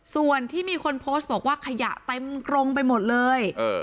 ส่วนที่มีคนโพสต์บอกว่าขยะเต็มกรงไปหมดเลย